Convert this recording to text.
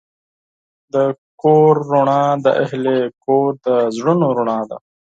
د کور رڼا د اهلِ کور د زړونو رڼا ده.